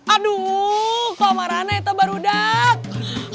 aduh pak marana itu baru dah